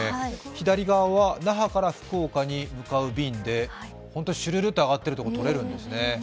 左側は那覇から福岡に向かう便で本当にシュルルって上がってるとこ、撮れるんですね。